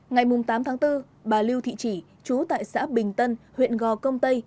ngày tám tháng bốn bà lưu thị chỉ chú tại xã bình tân huyện gò công tây